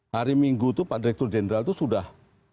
hari minggu itu pak direktur jenderal itu sudah